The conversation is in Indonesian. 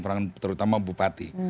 peran terutama bupati